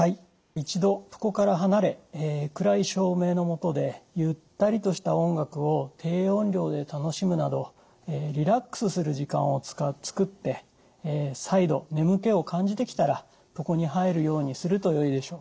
一度床から離れ暗い照明の下でゆったりとした音楽を低音量で楽しむなどリラックスする時間を作って再度眠気を感じてきたら床に入るようにするとよいでしょう。